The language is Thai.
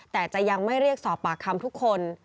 แต่จะยังไม่เรียกสอบปากคำทุกคน